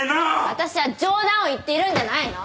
私は冗談を言っているんじゃないの！